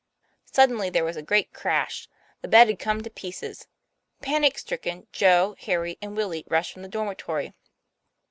Suddenly there was a great crash. The bed had come to pieces. Panic stricken, Joe, Harry, and Willie rushed from the dormitory.